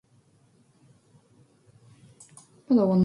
젊은 자의 영화는 그 힘이요 늙은 자의 아름다운 것은 백발이니라